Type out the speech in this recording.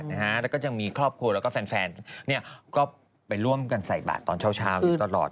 แล้วก็ยังมีครอบครัวแล้วก็แฟนก็ไปร่วมกันใส่บาทตอนเช้าอยู่ตลอด